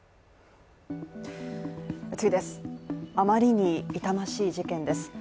あまりに痛ましい事件です。